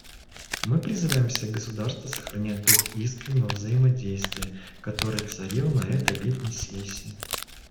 Мы призываем все государства сохранять дух искреннего взаимодействия, который царил на этой летней сессии.